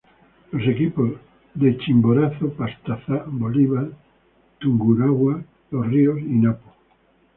Los equipos de Chimborazo, Pastaza, Bolívar, Tungurahua, Los Ríos y Napo.